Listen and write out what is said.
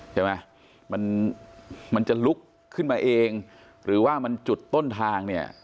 ใช่ไหมมันมันจะลุกขึ้นมาเองหรือว่ามันจุดต้นทางเนี่ย